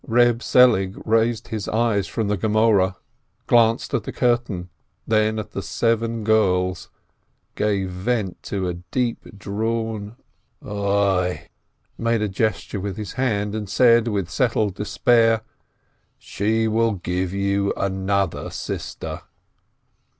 Reb Selig raised his eyes from the Gemoreh, glanced at the curtain, then at the seven girls, gave vent to a deep drawn Oi, made a gesture with his hand, and said with settled despair, "She will give you another sister